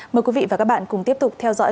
mời quý vị và các bạn cùng tiếp tục theo dõi